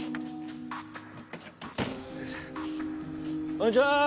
こんにちは。